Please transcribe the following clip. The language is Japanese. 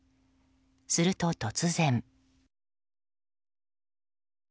すると突然。